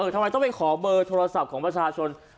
ทำไมต้องไปขอเบอร์โทรศัพท์ของประชาชน